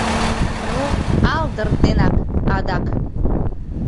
Ну... алдыр денак адак...